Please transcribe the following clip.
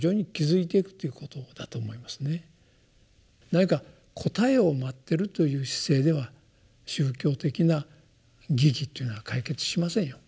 何か答えを待ってるという姿勢では宗教的な疑義というのは解決しませんよ。